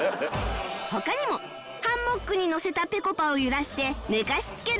他にもハンモックに乗せたぺこぱを揺らして寝かしつける